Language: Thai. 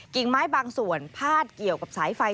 กิ่งไม้บางส่วนพาดเกี่ยวกับสายไฟ